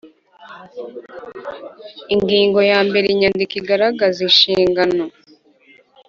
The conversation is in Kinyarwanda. Ingingo ya mbere Inyandiko igaragaza inshingano